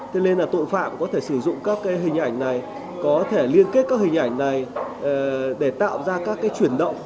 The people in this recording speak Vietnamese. thế nên là tội phạm có thể sử dụng các hình ảnh này có thể liên kết các hình ảnh này để tạo ra các cái chuyển động